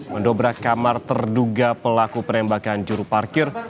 mendobrak kamar terduga pelaku penembakan juru parkir